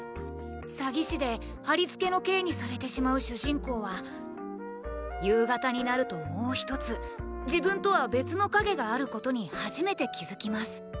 詐欺師ではりつけの刑にされてしまう主人公は夕方になるともう一つ自分とは別の影があることに初めて気付きます。